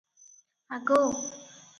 ଆଗୋ!